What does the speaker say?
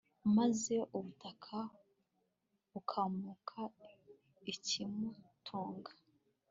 maze ubutaka bukamuha ikimutunga